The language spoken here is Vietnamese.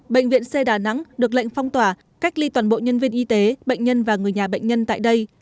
bệnh viện c đà nẵng được lệnh phong tỏa cách ly toàn bộ nhân viên y tế bệnh nhân và người nhà bệnh nhân tại đây